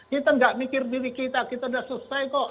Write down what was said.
kita gak mikir diri kita kita udah selesai kok